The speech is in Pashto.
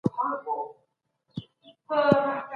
کروندګر خپل حاصلات نورو ولایتونو ته لیږي.